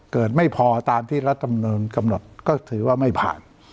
ไม่พอตามที่รัฐมนุนกำหนดก็ถือว่าไม่ผ่าน